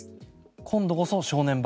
今度こそ正念場。